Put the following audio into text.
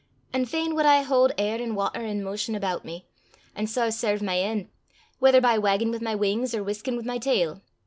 An' fain wad I haud air an' watter in motion aboot me, an' sae serve my en' whether by waggin' wi' my wings or whiskin' wi' my tail.